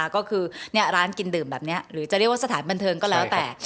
ก็คือร้านกินดื่มแบบนี้หรือจะเรียกว่าสถานบันเทิงก็แล้วแต่